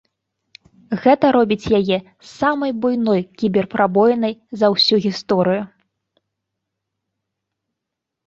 Гэта робіць яе самай буйной кібер-прабоінай за ўсю гісторыю.